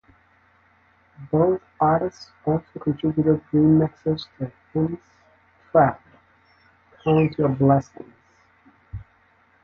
Both artists also contributed remixes to Hint's track "Count Your Blessings".